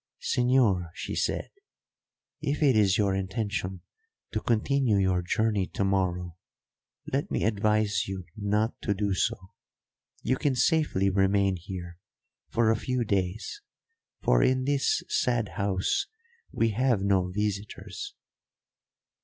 "Señor," she said, "if it is your intention to continue your journey to morrow, let me advise you not to do so. You can safely remain here for a few days, for in this sad house we have no visitors."